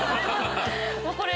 これ。